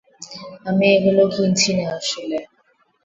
আমি এগুলো কিনছি না আসলে।